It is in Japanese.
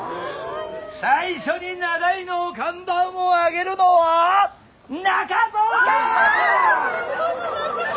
最初に名題の看板を上げるのは中蔵か！